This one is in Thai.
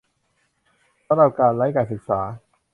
สำหรับ การไร้การศึกษา ?